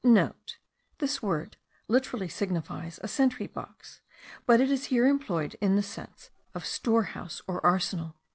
(* This word literally signifies a sentry box; but it is here employed in the sense of store house or arsenal.)